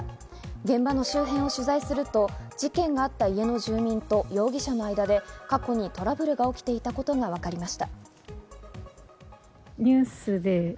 現場の周辺を取材すると事件があった家の住民と容疑者の間で、過去にトラブルが起きていたことがわかりました。